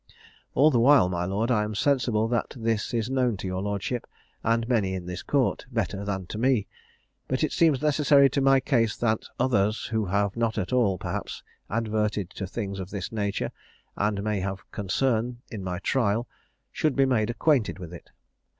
"All the while, my lord, I am sensible this is known to your lordship, and many in this Court, better than to me; but it seems necessary to my case that others, who have not at all, perhaps, adverted to things of this nature, and may have concern in my trial, should be made acquainted with it.